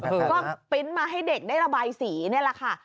ก็ปริ้นต์มาให้เด็กได้ระบายสีนี่แหละค่ะ